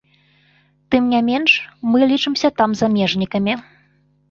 Тым не менш, мы лічымся там замежнікамі.